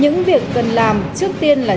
những việc cần làm trước tiên là